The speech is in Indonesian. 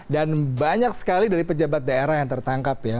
dan banyak sekali dari pejabat daerah yang tertangkap ya